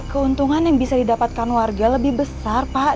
keuntungan yang bisa didapatkan warga lebih besar pak